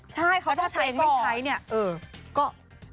ใช่เขาต้องใช้ก่อน